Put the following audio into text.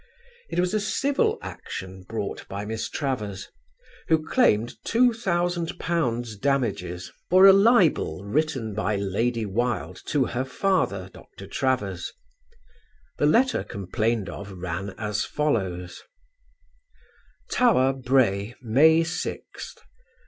It was a civil action brought by Miss Travers, who claimed £2,000 damages for a libel written by Lady Wilde to her father, Dr. Travers. The letter complained of ran as follows: TOWER, BRAY, May 6th.